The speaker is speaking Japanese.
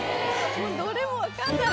どれもわかんない。